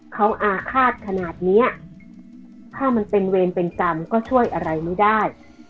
เขาอาฆาตขนาดเนี้ยถ้ามันเป็นเวรเป็นกรรมก็ช่วยอะไรไม่ได้